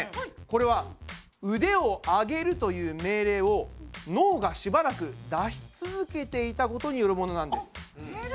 これは「うでを上げる」という命令を脳がしばらく出し続けていたことによるものなんです。